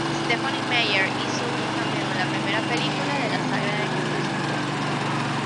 Stephenie Meyer hizo un cameo en la primera película de la saga de Crepúsculo.